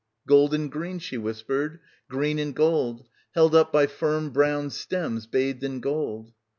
"Gold and green," she whispered, "green and gold, held up by firm brown stems bathed in gold."